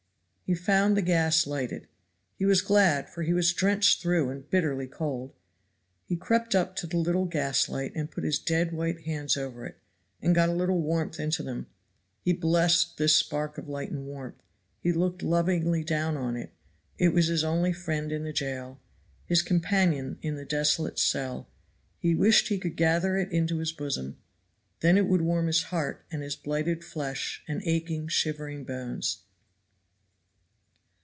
He found the gas lighted. He was glad, for he was drenched through and bitterly cold. He crept up to the little gaslight and put his dead white hands over it and got a little warmth into them; he blessed this spark of light and warmth; he looked lovingly down on it, it was his only friend in the jail, his companion in the desolate cell. He wished he could gather it into his bosom; then it would warm his heart and his blighted flesh and aching, shivering bones.